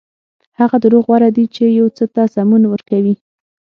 هغه دروغ غوره دي چې یو څه ته سمون ورکوي.